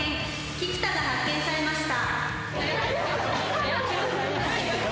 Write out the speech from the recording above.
菊田が発見されました。